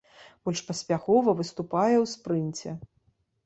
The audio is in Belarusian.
Больш паспяхова выступае ў спрынце.